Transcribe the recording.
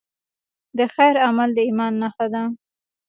د خیر عمل د ایمان نښه ده.